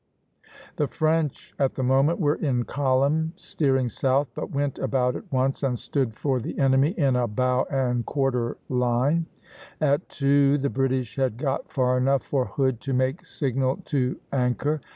The French, at the moment, were in column steering south, but went about at once and stood for the enemy in a bow and quarter line (A, A). At two the British had got far enough for Hood to make signal to anchor.